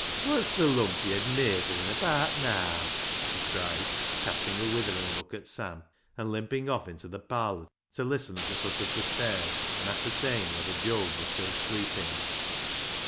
" Wot's th' lumpyed meytherin' abaat naa," he cried, casting a withering look at Sam, and limping off into the parlour to listen at the foot of the stairs, and ascertain whether Job were still sleeping.